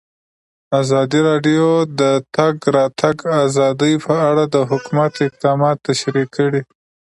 ازادي راډیو د د تګ راتګ ازادي په اړه د حکومت اقدامات تشریح کړي.